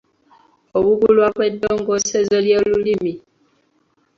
Obubulwa bw’eddongoosezo ly’olulimi